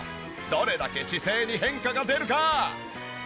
どれだけ姿勢に変化が出るか！？